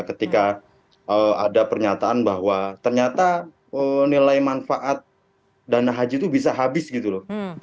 ketika ada pernyataan bahwa ternyata nilai manfaat dana haji itu bisa habis gitu loh